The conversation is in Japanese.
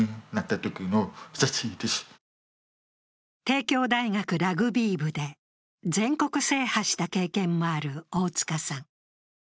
帝京大学ラグビー部で全国制覇した経験もある大塚さん。